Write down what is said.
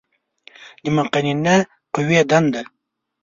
د مقننه قوې دندې